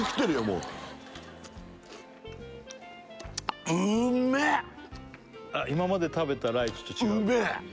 もう今まで食べたライチと違う？